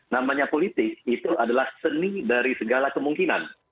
namanya politik itu adalah seni dari segala kemungkinan